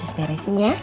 harus beresin ya